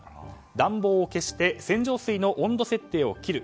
暖房を消して洗浄水の温度設定を切る。